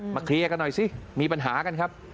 เคลียร์กันหน่อยสิมีปัญหากันครับ